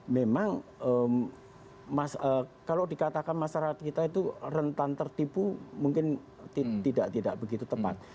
memang kalau dikatakan masyarakat kita itu rentan tertipu mungkin tidak begitu tepat